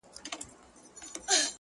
واک د زړه مي عاطفو ته ورکړ ځکه,